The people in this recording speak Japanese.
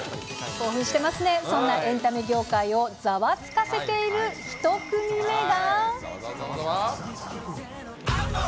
興奮してますね、そんなエンタメ業界をざわつかせている１組目が。